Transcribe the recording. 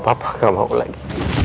papa gak mau lagi